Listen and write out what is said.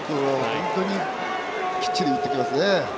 本当にきっちり打ってきますね。